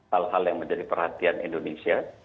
hal hal yang menjadi perhatian indonesia